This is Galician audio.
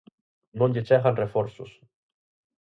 Non lle chegan reforzos.